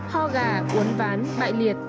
ho gà uốn ván bại liệt